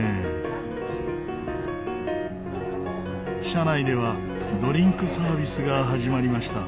車内ではドリンクサービスが始まりました。